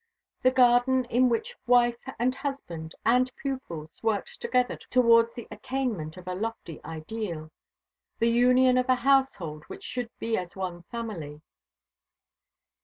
The garden in which wife and husband and pupils worked together towards the attainment of a lofty ideal. The union of a household which should be as one family.